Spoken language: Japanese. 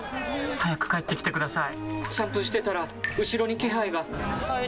早く帰ってきてください！